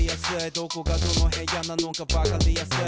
「どこがどの部屋なのかわかりやすい」